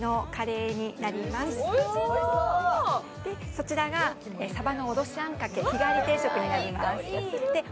そちらがサバのおろしあんかけ日替わり定食になります・いい香り！